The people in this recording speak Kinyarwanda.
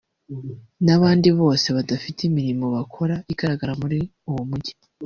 n’abandi bose badafite imirimo bakora igaragara muri uwo mujyi